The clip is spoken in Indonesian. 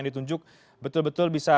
ditunjuk betul betul bisa